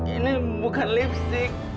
ini bukan lipstick